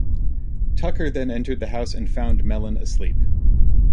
Tucker then entered the house and found Mellon asleep.